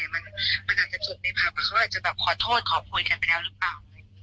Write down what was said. มันอาจจะจบในผับเขาอาจจะแบบขอโทษขอโพยกันไปแล้วหรือเปล่า